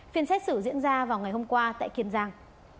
phiên xét xử diễn ra vào ngày hôm qua tại kiên giang